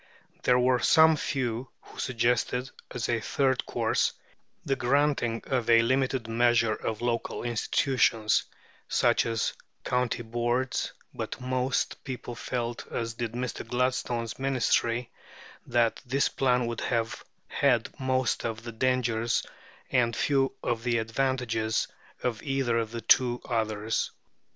There were some few who suggested, as a third course, the granting of a limited measure of local institutions, such as county boards; but most people felt, as did Mr. Gladstone's Ministry, that this plan would have had most of the dangers and few of the advantages of either of the two others.